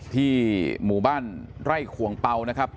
ที่หมู่บ้านไร่ขวงเปล่านะครับ